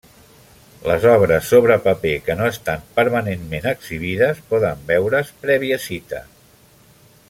Les obres sobre paper que no estan permanentment exhibides poden veure's prèvia cita.